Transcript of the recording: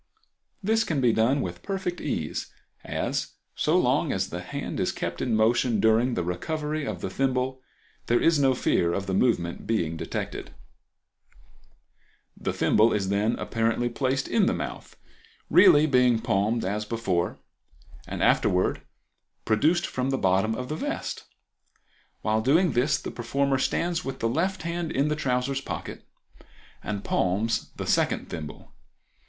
This can be done with perfect ease, as, so long as the hand is kept in motion during the recovery of the thimble, there is no fear of the movement being detected. Fig. 25. Thimble Palmed. The thimble is then apparently placed in the mouth, really being palmed as before, and afterwards produced from the bottom of the vest. While doing this the performer stands with the left hand in the trousers pocket and palms the second thimble.